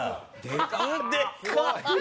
でかい。